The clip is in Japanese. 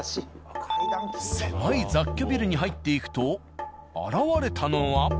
狭い雑居ビルに入っていくと現れたのは。